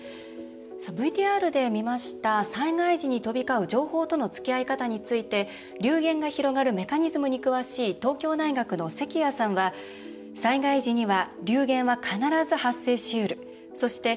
ＶＴＲで見ました災害時に飛び交う情報とのつきあい方について流言が広がるメカニズムに詳しい東京大学の関谷さんは。ということです。